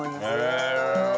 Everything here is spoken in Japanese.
へえ！